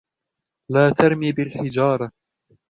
لا ترمي بالحجارة.